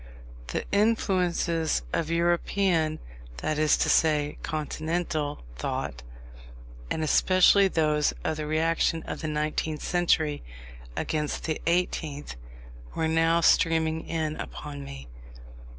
The influences of European, that is to say, Continental, thought, and especially those of the reaction of the nineteenth century against the eighteenth, were now streaming in upon me.